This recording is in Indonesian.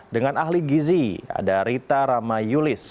dengan ahli gizi ada rita ramayulis